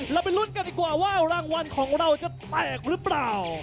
เราไปลุ้นกันดีกว่าว่ารางวัลของเราจะแตกหรือเปล่า